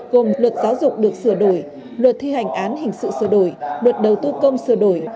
gồm luật giáo dục được sửa đổi luật thi hành án hình sự sửa đổi luật đầu tư công sửa đổi